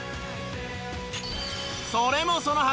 それもそのはず